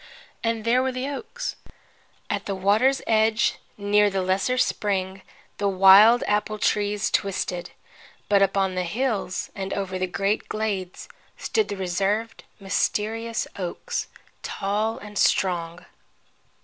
And there were the oaks. At the water's edge, near the lesser spring, the wild apple trees twisted, but upon the hills and over the great glades stood the reserved, mysterious oaks, tall and strong.